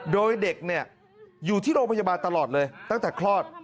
โดยเด็กอยู่ที่โรงพยาบาลตลอดเลยตั้งแต่คลอด